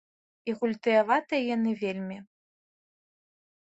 І гультаяватыя яны вельмі.